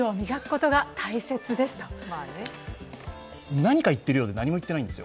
何か言っているようで何も言ってないんですよ。